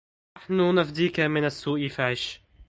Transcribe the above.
نحن نفديك من السوء فعش